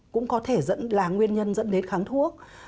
cũng có thể là nguyên nhân dẫn đến kháng thuốc